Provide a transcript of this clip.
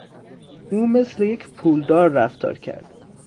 او مثل یک پولدار رفتار کرد.